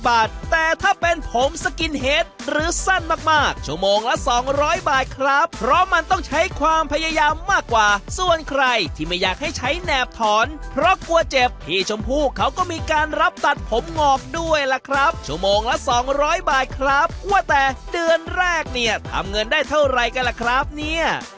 แต่ถ้าเป็นผมสกินเฮ็ดหรือสั้นมากชั่วโมงละ๒๐๐บาทครับเพราะมันต้องใช้ความพยายามมากกว่าส่วนใครที่ไม่อยากให้ใช้แหนบถอนเพราะกลัวเจ็บพี่ชมพู่เขาก็มีการรับตัดผมงอกด้วยล่ะครับชั่วโมงละสองร้อยบาทครับว่าแต่เดือนแรกเนี่ยทำเงินได้เท่าไหร่กันล่ะครับเนี่ย